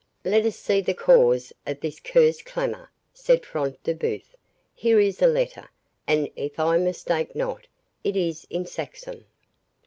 "Let us see the cause of this cursed clamour," said Front de Bœuf—"here is a letter, and, if I mistake not, it is in Saxon."